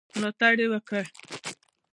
ملاتړ یې وکړ.